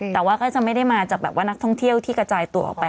แต่ว่าก็จะไม่ได้มาจากแบบว่านักท่องเที่ยวที่กระจายตัวออกไป